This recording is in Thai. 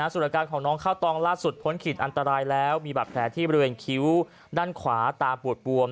ส่วนอาการของน้องข้าวตองล่าสุดพ้นขีดอันตรายแล้วมีบาดแผลที่บริเวณคิ้วด้านขวาตาปูดบวม